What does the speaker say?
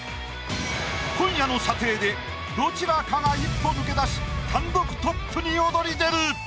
今夜の査定でどちらかが一歩抜け出し単独トップに躍り出る！